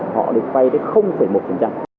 họ được vay tới một